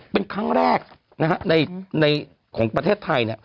เป็นครั้งแรกในของประเทศไทย